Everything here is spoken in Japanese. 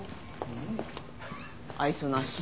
愛想なし。